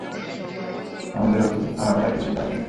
আমাদের আর কিছুই করার নেই।